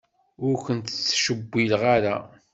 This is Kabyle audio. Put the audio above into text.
Ur ken-nettcewwil ara.